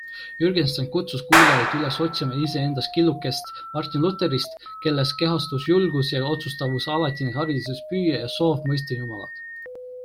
Jürgenstein kutsus kuulajaid üles otsima iseendas killukest Martin Lutherist, kelles kehastus julgus ja otsustavus, alatine hariduspüüe ja soov mõista Jumalat.